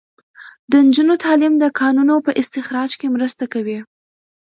د نجونو تعلیم د کانونو په استخراج کې مرسته کوي.